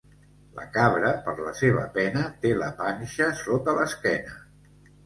La cabra, per la seva pena, té la panxa sota l'esquena.